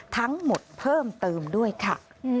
ทั้งหมดเพิ่มเติมด้วยค่ะ